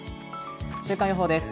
週間予報です。